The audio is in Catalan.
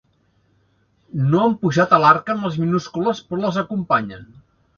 No han pujat a l'Arca amb les minúscules, però les acompanyen.